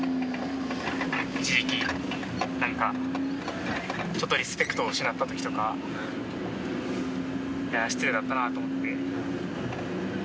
一時期リスペクトを失ったときとか失礼だったなと思って。